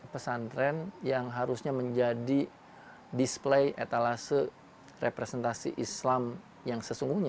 pesantren yang harusnya menjadi display etalase representasi islam yang sesungguhnya